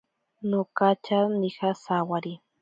Nonkatya nija sawari.